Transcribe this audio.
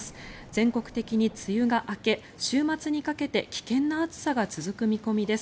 全国的に梅雨が明け週末にかけて危険な暑さが続く見込みです。